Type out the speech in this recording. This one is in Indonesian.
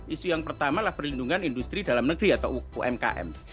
isu yang pertama adalah perlindungan industri dalam negeri atau umkm